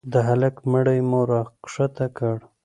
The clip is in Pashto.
د هلك مړى مو راکښته کړ.